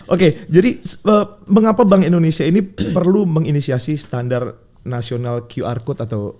oke jadi mengapa bank indonesia ini perlu menginisiasi standar nasional qr code atau